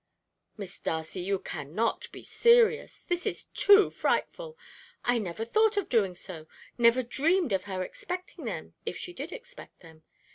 Miss Darcy, you cannot be serious. This is too frightful. I never thought of doing so, never dreamed of her expecting them, if she did expect them.